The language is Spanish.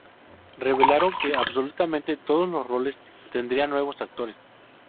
Revelaron que absolutamente todos los roles tendrían nuevos actores.